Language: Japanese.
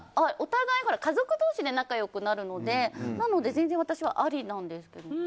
お互い家族同士で仲良くなるのでなので全然私はありなんですけど。